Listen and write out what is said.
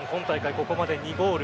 ここまで２ゴール